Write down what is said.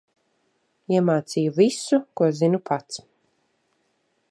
Iemācīju visu, ko zinu pats.